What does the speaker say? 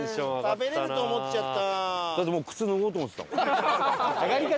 食べれると思っちゃった。